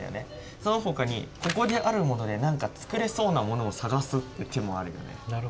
そのほかにここであるもので何か作れそうなものを探すっていう手もあるよね。